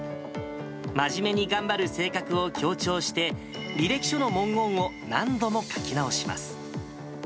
真面目に頑張る性格を強調して、履歴書の文言を何度も書き直します。